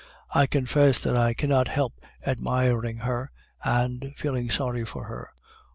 I confess that I cannot help admiring her and feeling sorry for her.